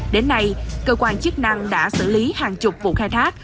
đến nay cơ quan chức năng đã xử lý hàng chục vụ khai thác